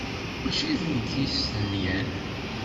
Mačči d nekk i yestenyan.